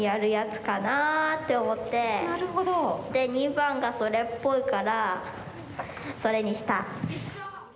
②ばんがそれっぽいからそれにした。